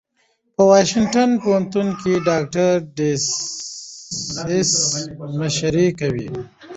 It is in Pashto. په واشنګټن پوهنتون کې ډاکټر ډسیس مشري کوي.